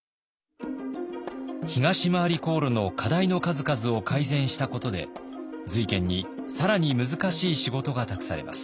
東廻り航路の課題の数々を改善したことで瑞賢に更に難しい仕事が託されます。